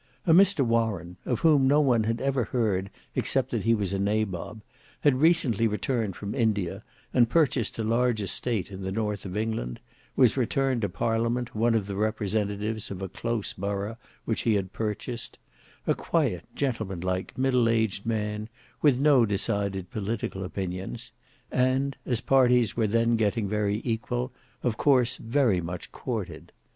A Mr Warren, of whom no one had ever heard except that he was a nabob, had recently returned from India and purchased a large estate in the north of England, was returned to Parliament one of the representatives of a close borough which he had purchased: a quiet, gentlemanlike, middle aged man, with no decided political opinions; and, as parties were then getting very equal, of course very much courted.